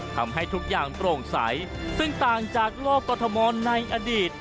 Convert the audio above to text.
ทำให้ทุกอย่างตรงใสซึ่งต่างจากลอกกฏมอนในอดีต